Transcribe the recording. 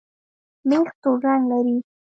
مېخه تور رنګ لري